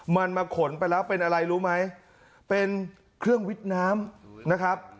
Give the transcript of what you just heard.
มันมาขนไปแล้วเป็นอะไรรู้ไหมเป็นเครื่องวิทย์น้ำนะครับ